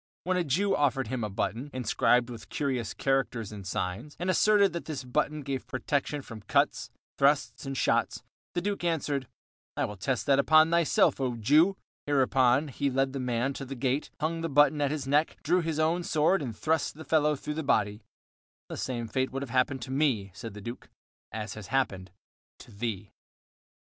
When a Jew offered him a button, inscribed with curious characters and signs, and asserted that this button gave protection from cuts, thrusts, and shots, the Duke answered: "I will test that upon thyself, O Jew." Hereupon he led the man to the gate, hung the button at his neck, drew his own sword, and thrust the fellow through the body. "The same fate would have happened to me," said the Duke, "as has happened to thee."